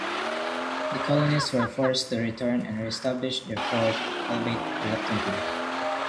The colonists were forced to return and reestablish their fort, albeit reluctantly.